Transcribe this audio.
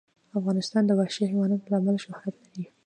افغانستان د وحشي حیوانات له امله شهرت لري.